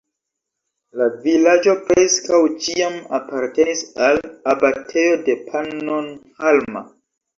La vilaĝo preskaŭ ĉiam apartenis al abatejo de Pannonhalma.